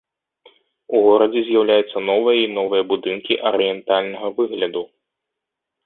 У горадзе з'яўляюцца новыя і новыя будынкі арыентальнага выгляду.